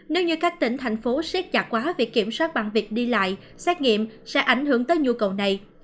nếu như các tỉnh thành phố siết chặt quá việc kiểm soát bằng việc đi lại xét nghiệm sẽ ảnh hưởng tới nhu cầu này